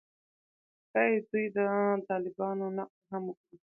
ښايي دوی د طالبانو نقد هم وکړي